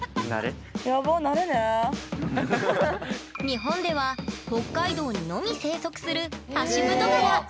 日本では北海道にのみ生息するハシブトガラ。